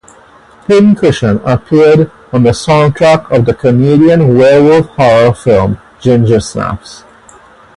"Pin Cushion" appeared on the soundtrack of the Canadian werewolf horror film Ginger Snaps.